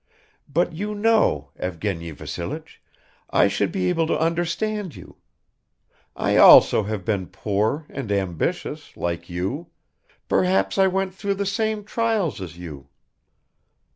But you know, Evgeny Vassilich, I should be able to understand you; I also have been poor and ambitious, like you; perhaps I went through the same trials as you."